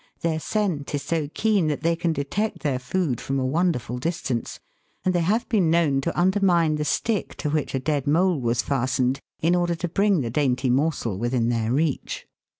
Their scent is so keen that they can detect their food from a wonderful distance, and they have been known to under mine the stick to which a dead mole was fastened, in order to bring the dainty morsel within their reach.